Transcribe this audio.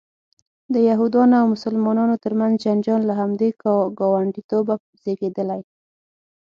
د یهودانو او مسلمانانو ترمنځ جنجال له همدې ګاونډیتوبه زیږېدلی.